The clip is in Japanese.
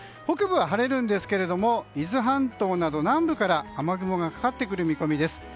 北部は晴れるんですが伊豆半島など南部から雨雲がかかってくる見込みです。